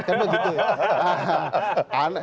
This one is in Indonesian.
kan begitu ya